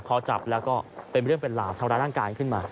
พอจับแล้วก็เป็นเรื่องเป็นหล่าเท่าระนั่งการขึ้นมา